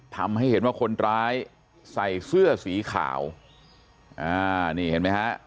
ทำให้เห็นว่าคนร้ายใส่เสื้อสีขาวอ่านี่เห็นไหมฮะ